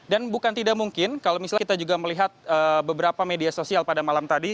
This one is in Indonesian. dan bukan tidak mungkin kalau misalnya kita juga melihat beberapa media sosial pada malam tadi